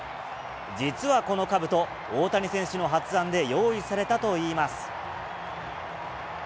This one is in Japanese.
実はこのかぶと、大谷選手の発案で用意されたといいます。